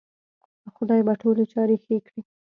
خدای به ټولې چارې ښې کړې